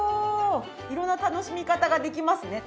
色んな楽しみ方ができますね。